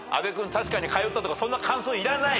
確かに通ったとかそんな感想いらない。